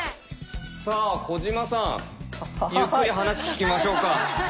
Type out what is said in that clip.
さあ小島さんゆっくり話聞きましょうか。ははい。